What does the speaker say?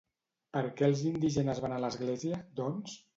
Per què els indígenes van a l'església, doncs?